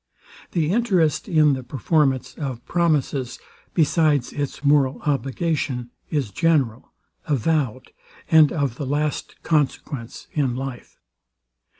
The interest in the performance of promises, besides its moral obligation, is general, avowed, and of the last consequence in life.